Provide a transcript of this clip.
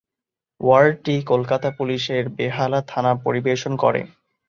ওয়ার্ডটি কলকাতা পুলিশের বেহালা থানা পরিবেশন করে।